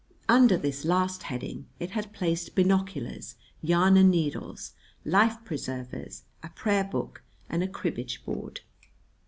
Under this last heading it had placed binoculars, yarn and needles, life preservers, a prayer book, and a cribbage board.